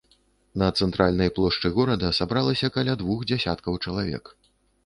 На цэнтральнай плошчы горада сабралася каля двух дзесяткаў чалавек.